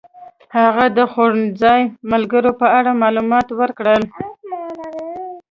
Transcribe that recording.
هغه د خوړنځای د ملګرو په اړه معلومات ورکړل.